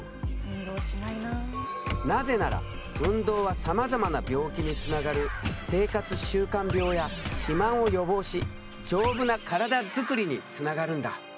なぜなら運動はさまざまな病気につながる生活習慣病や肥満を予防し丈夫な体作りにつながるんだ。